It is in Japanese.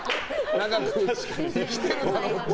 長く生きてるからって。